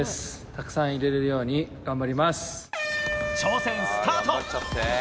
たくさん入れれるように頑張りま挑戦スタート。